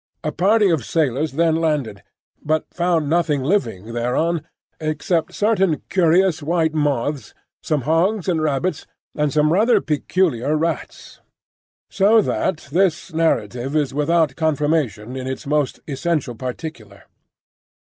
A party of sailors then landed, but found nothing living thereon except certain curious white moths, some hogs and rabbits, and some rather peculiar rats. So that this narrative is without confirmation in its most essential particular.